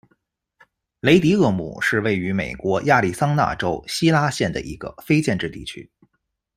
雷迪厄姆是位于美国亚利桑那州希拉县的一个非建制地区。